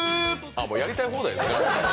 やりたい放題ですね。